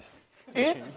えっ！